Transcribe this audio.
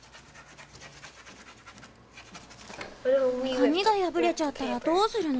紙が破れちゃったらどうするの？